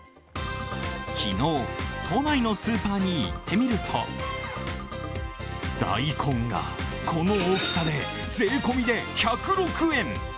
昨日、都内のスーパーに行ってみると大根が、この大きさで税込みで１０６円！